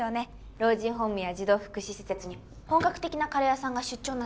老人ホームや児童福祉施設に本格的なカレー屋さんが出張なんて。